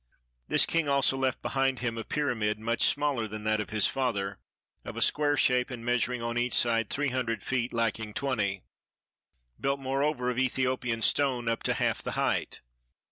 This king also left behind him a pyramid, much smaller than that of his father, of a square shape and measuring on each side three hundred feet lacking twenty, built moreover of Ethiopian stone up to half the height.